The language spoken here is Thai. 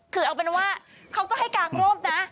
คือเอาเป็นว่าเขาก็ให้กางร่มนะ